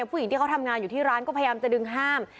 ผู้หญิงที่เขาทำงานอยู่ที่ร้านก็พยายามจะดึงห้าม